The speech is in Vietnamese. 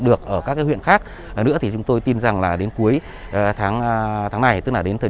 được ở các huyện khác nữa thì chúng tôi tin rằng là đến cuối tháng này tức là đến thời